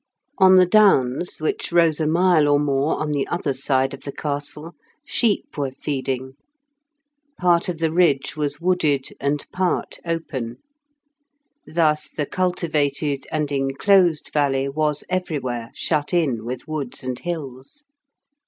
On the Downs, which rose a mile or more on the other side of the castle, sheep were feeding; part of the ridge was wooded and part open. Thus the cultivated and enclosed valley was everywhere shut in with woods and hills.